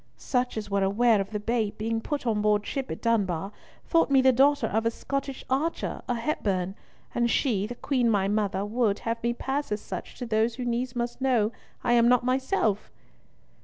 Such as were aware of the babe being put on board ship at Dunbar, thought me the daughter of a Scottish archer, a Hepburn, and she, the Queen my mother, would, have me pass as such to those who needs must know I am not myself."